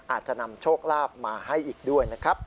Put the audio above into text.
อาจจะนำโชคลาภมาให้อีกด้วยนะครับ